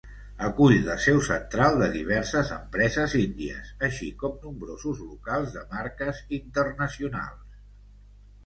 Acull la seu central de diverses empreses índies, així com nombrosos locals de marques internacionals.